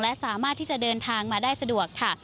และสามารถที่จะเดินทางมาได้สะดวกค่ะ